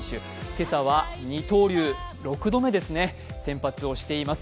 今朝は二刀流６度目ですね、先発をしています。